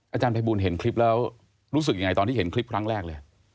อาจารย์ภัยบูลเห็นคลิปแล้วรู้สึกยังไงตอนที่เห็นคลิปครั้งแรกเลย